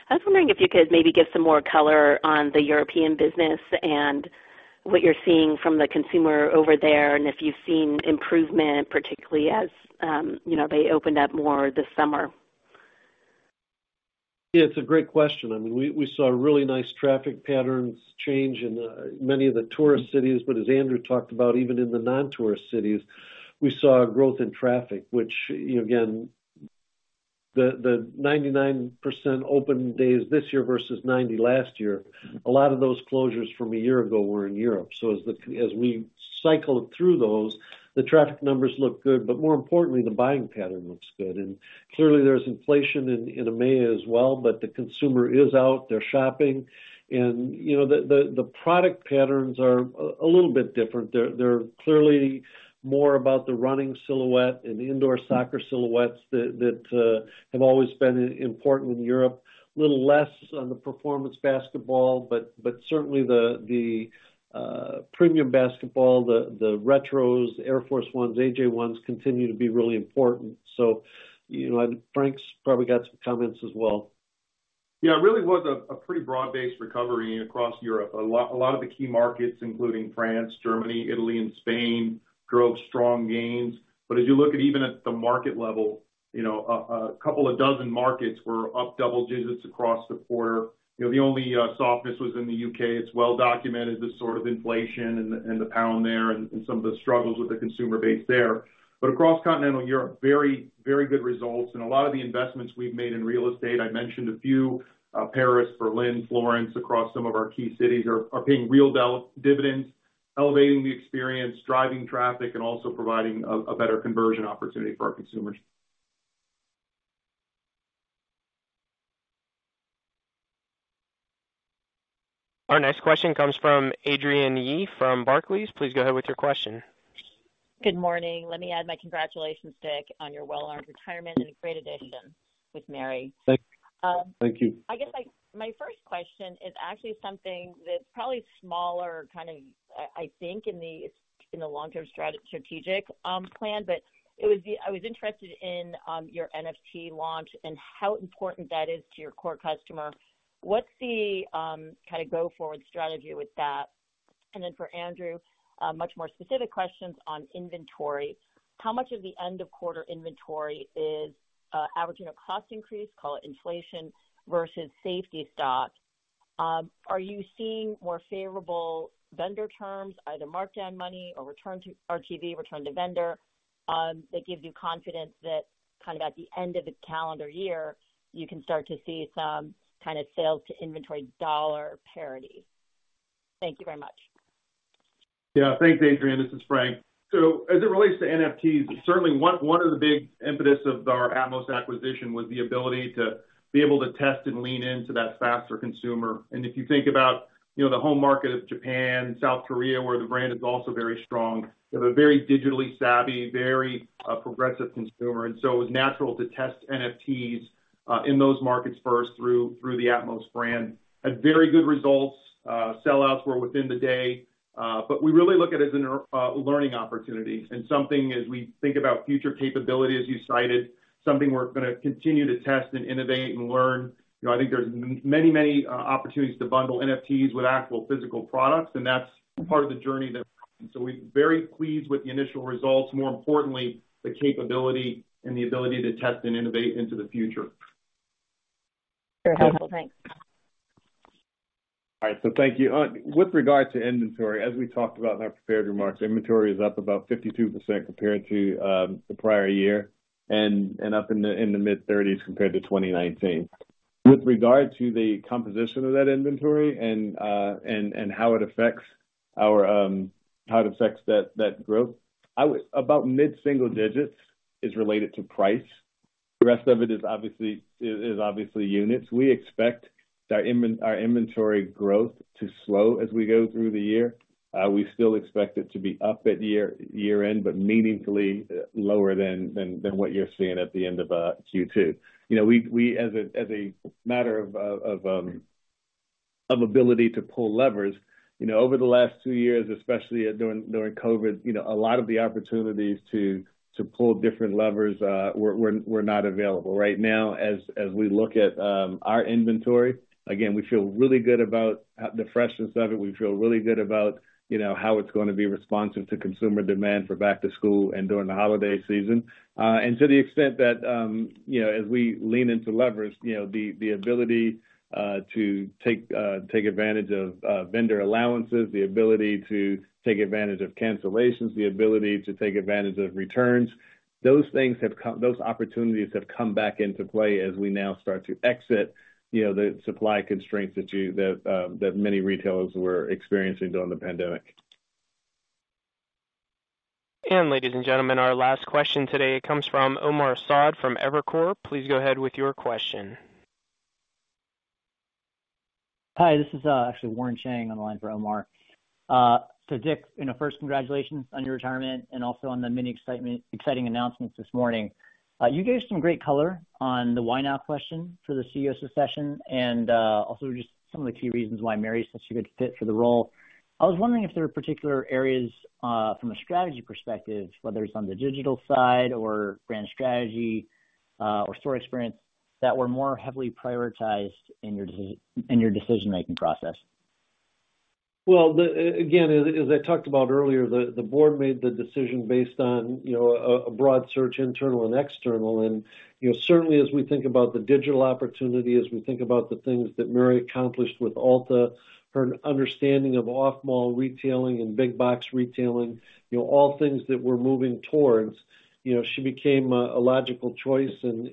I was wondering if you could maybe give some more color on the European business and what you're seeing from the consumer over there, and if you've seen improvement, particularly as, you know, they opened up more this summer. Yeah, it's a great question. I mean, we saw really nice traffic patterns change in many of the tourist cities. As Andrew talked about, even in the non-tourist cities, we saw a growth in traffic, which, you know, again, the 99% open days this year versus 90% last year, a lot of those closures from a year ago were in Europe. As we cycled through those, the traffic numbers look good, but more importantly, the buying pattern looks good. Clearly there's inflation in EMEA as well, but the consumer is out there shopping. You know, the product patterns are a little bit different. They're clearly more about the running silhouette and the indoor soccer silhouettes that have always been important in Europe. A little less on the performance basketball, but certainly the premium basketball, the Retros, Air Force 1s, AJ1s continue to be really important. You know, Frank's probably got some comments as well. It really was a pretty broad-based recovery across Europe. A lot of the key markets, including France, Germany, Italy, and Spain, drove strong gains. As you look at even at the market level, you know, a couple of dozen markets were up double-digits across the quarter. You know, the only softness was in the U.K. It's well documented, the sort of inflation and the pound there and some of the struggles with the consumer base there. Across continental Europe, very, very good results. A lot of the investments we've made in real estate, I mentioned a few, Paris, Berlin, Florence, across some of our key cities are paying real dividends, elevating the experience, driving traffic, and also providing a better conversion opportunity for our consumers. Our next question comes from Adrienne Yih from Barclays. Please go ahead with your question. Good morning. Let me add my congratulations, Dick, on your well-earned retirement and a great addition with Mary. Thank you. I guess my first question is actually something that's probably smaller kind of, I think in the long-term strategic plan, but I was interested in your NFT launch and how important that is to your core customer. What's the kind of go forward strategy with that? And then for Andrew, a much more specific questions on inventory. How much of the end of quarter inventory is averaging a cost increase, call it inflation versus safety stock? Are you seeing more favorable vendor terms, either markdown money or return to RTV, Return To Vendor, that gives you confidence that kind of at the end of the calendar year, you can start to see some kind of sales to inventory dollar parity? Thank you very much. Yeah. Thanks, Adrienne. This is Frank. As it relates to NFTs, certainly one of the big impetus of our Atmos acquisition was the ability to be able to test and lean into that fashion consumer. If you think about, you know, the home market of Japan, South Korea, where the brand is also very strong, they have a very digitally savvy, very progressive consumer. It was natural to test NFTs in those markets first through the Atmos brand. Had very good results. Sellouts were within the day. We really look at it as a learning opportunity and something as we think about future capability, as you cited, something we're gonna continue to test and innovate and learn. You know, I think there's many opportunities to bundle NFTs with actual physical products, and that's part of the journey. We're very pleased with the initial results, more importantly, the capability and the ability to test and innovate into the future. Very helpful. Thanks. All right. Thank you. With regard to inventory, as we talked about in our prepared remarks, inventory is up about 52% compared to the prior year and up in the mid-30s compared to 2019. With regard to the composition of that inventory and how it affects that growth, about mid-single digits is related to price. The rest of it is obviously units. We expect our inventory growth to slow as we go through the year. We still expect it to be up at year-end, but meaningfully lower than what you're seeing at the end of Q2. You know, we as a matter of ability to pull levers, you know, over the last two years, especially, during COVID, you know, a lot of the opportunities to pull different levers were not available. Right now, as we look at our inventory, again, we feel really good about the freshness of it. We feel really good about, you know, how it's gonna be responsive to consumer demand for back to school and during the holiday season. To the extent that, you know, as we lean into levers, you know, the ability to take advantage of vendor allowances, the ability to take advantage of cancellations, the ability to take advantage of returns, those opportunities have come back into play as we now start to exit, you know, the supply constraints that many retailers were experiencing during the pandemic. Ladies and gentlemen, our last question today comes from Omar Saad from Evercore. Please go ahead with your question. Hi, this is actually Warren Cheng on the line for Omar. So Dick, you know, first, congratulations on your retirement and also on the many exciting announcements this morning. You gave some great color on the why now question for the CEO succession and also just some of the key reasons why Mary is such a good fit for the role. I was wondering if there are particular areas from a strategy perspective, whether it's on the digital side or brand strategy or store experience, that were more heavily prioritized in your decision-making process. As I talked about earlier, the board made the decision based on, you know, a broad search, internal and external. You know, certainly as we think about the digital opportunity, as we think about the things that Mary accomplished with Ulta, her understanding of off-mall retailing and big box retailing, you know, all things that we're moving towards, you know, she became a logical choice and,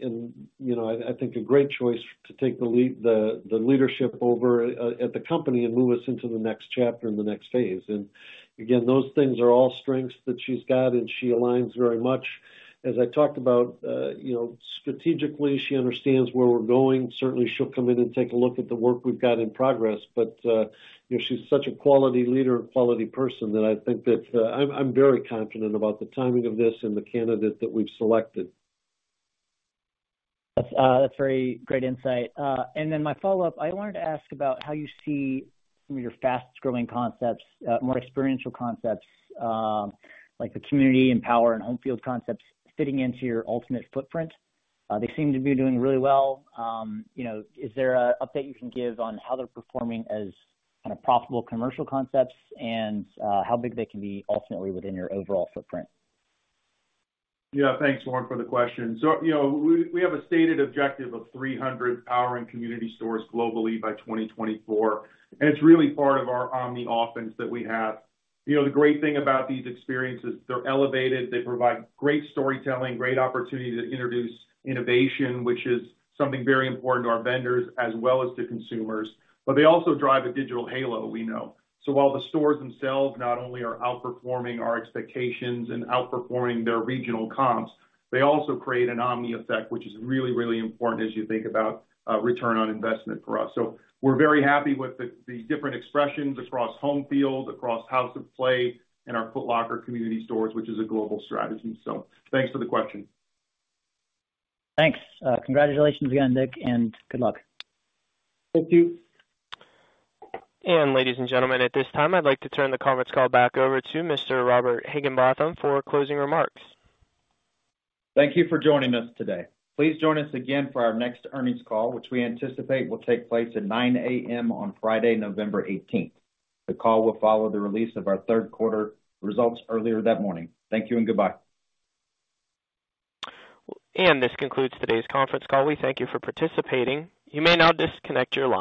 you know, I think a great choice to take the leadership over at the company and move us into the next chapter and the next phase. Again, those things are all strengths that she's got, and she aligns very much. As I talked about, you know, strategically, she understands where we're going. Certainly, she'll come in and take a look at the work we've got in progress. You know, she's such a quality leader and quality person that I think that I'm very confident about the timing of this and the candidate that we've selected. That's very great insight. My follow-up, I wanted to ask about how you see some of your fast-growing concepts, more experiential concepts, like the Community and Power and HomeField concepts fitting into your ultimate footprint. They seem to be doing really well. You know, is there a update you can give on how they're performing as kinda profitable commercial concepts and how big they can be ultimately within your overall footprint? Yeah. Thanks, Warren, for the question. You know, we have a stated objective of 300 Power and Community stores globally by 2024, and it's really part of our omnichannel that we have. You know, the great thing about these experiences, they're elevated, they provide great storytelling, great opportunity to introduce innovation, which is something very important to our vendors as well as to consumers. But they also drive a digital halo we know. While the stores themselves not only are outperforming our expectations and outperforming their regional comps, they also create an omni effect, which is really, really important as you think about return on investment for us. We're very happy with the different expressions across HomeField, across House of Play and our Foot Locker Community stores, which is a global strategy. Thanks for the question. Thanks. Congratulations again, Dick, and good luck. Thank you. Ladies and gentlemen, at this time, I'd like to turn the conference call back over to Mr. Robert Higginbotham for closing remarks. Thank you for joining us today. Please join us again for our next earnings call, which we anticipate will take place at 9:00 A.M. on Friday, November 18th. The call will follow the release of our Q3 results earlier that morning. Thank you and goodbye. This concludes today's conference call. We thank you for participating. You may now disconnect your lines.